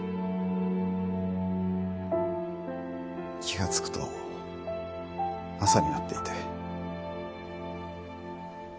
気がつくと朝になっていて。